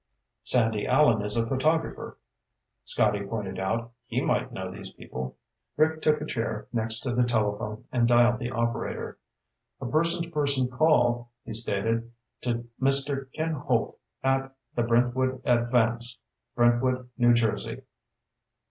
"Sandy Allen is a photographer," Scotty pointed out. "He might know these people." Rick took a chair next to the telephone and dialed the operator. "A person to person call," he stated, "to Mr. Ken Holt, at the Brentwood Advance, Brentwood, New Jersey."